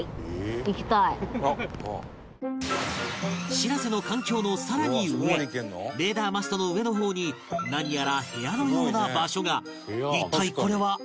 「しらせ」の艦橋のさらに上レーダーマストの上の方に何やら部屋のような場所が！